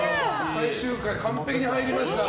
最終回、完璧に入りました。